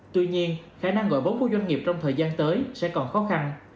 tuy nhiên khả năng gọi vốn của doanh nghiệp trong thời gian tới sẽ còn khó khăn